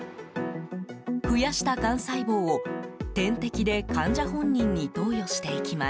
増やした幹細胞を点滴で患者本人に投与していきます。